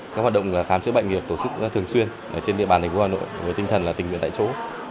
các hoạt động khám chữa bệnh nghiệp tổ chức thường xuyên trên địa bàn thành phố hà nội với tinh thần là tình nguyện tại chỗ